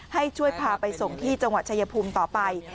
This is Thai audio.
ให้ช่วยพาไปส่งที่จังหวัดชายภูมิต่อไป